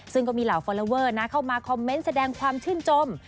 ซึ่งก็มีเหล่าฟอลลอเวอร์เข้ามาคอมเมนต์แสดงความชื่นชม